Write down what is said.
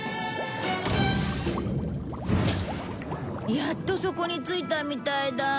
やっと底に着いたみたいだ。